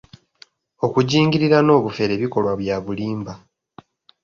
Okujingirira n'obufere bikolwa bya bulimba.